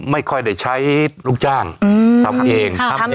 ไม่ค่อยได้ใช้ลูกจ้างทำเอง